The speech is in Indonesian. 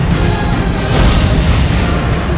kau tidak bisa menang